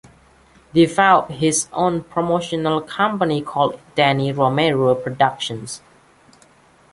Developed his own promotional company called Danny Romero Productions.